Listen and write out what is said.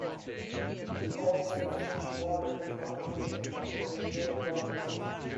The only substantial water is half the width of the Rio Grande.